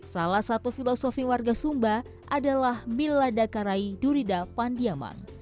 salah satu filosofi warga sumba adalah miladakarai durida pandiaman